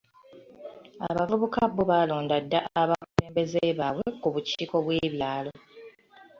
Abavubuka bo baalonda dda abakulembeze baabwe ku bukiiko bw'ebyalo.